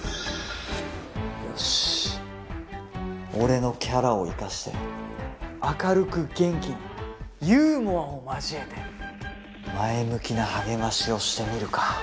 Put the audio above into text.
よし俺のキャラを生かして明るく元気にユーモアを交えて前向きな励ましをしてみるか。